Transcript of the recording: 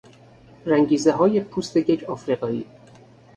رنگیزههای پوست یک افریقایی